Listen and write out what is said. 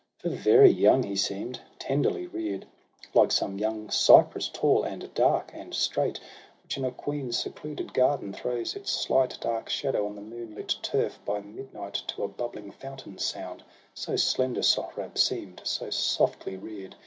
For very young he seem'd, tenderly rear'd; Like some young cypress, tall, and dark, and straight, SOHRAB AND RUSTUM. 97 Which in a queen's secluded garden throws Its slight dark shadow on the moonlit turf, Bj midnight, to a bubbling fountain's sound — So slender Sohrab seem'd, so softly rear'd.